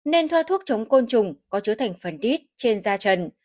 nên thoa thuốc chống côn trùng có chứa thành phần đít trên da trần